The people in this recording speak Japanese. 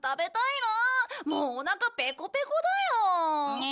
もうお腹ペコペコだよ。